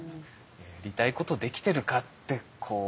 やりたいことできてるかってこう。